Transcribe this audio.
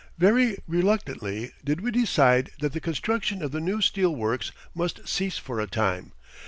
Very reluctantly did we decide that the construction of the new steel works must cease for a time.